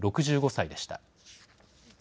６５歳でした。